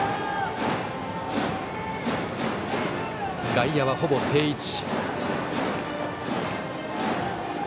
外野はほぼ定位置。